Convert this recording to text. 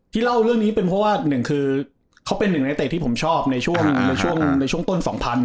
ที่เล่าเรื่องนี้เป็นเพราะว่าเขาเป็นหนึ่งในเตะที่ผมชอบในช่วงต้น๒๐๐๐